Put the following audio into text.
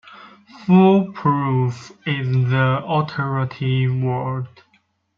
'Foolproof' is the operative word...